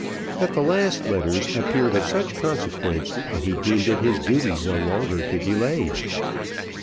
That the last letters appeared of such consequence, that he deemed it his duty no longer to delay.